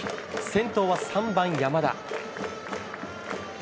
先頭は３番山田。